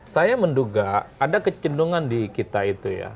saya menduga ada kecendungan di kita itu ya